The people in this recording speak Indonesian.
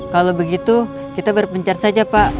kalau begitu kita berpencar saja pak